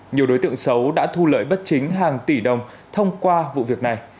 nhiều đối tượng xấu đã thu lợi bất chính hàng tỷ đồng thông qua vụ việc này